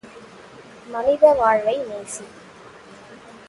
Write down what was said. மனித வாழ்வை நேசி!